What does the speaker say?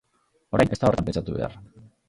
Orain, ez da horretan pentsatu behar.